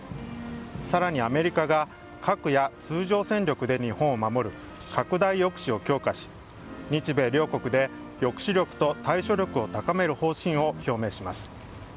さらにアメリカが核や通常戦力で日本を守る拡大抑止を強化し、日米両国で抑止力と対処力を高める方針を表明します。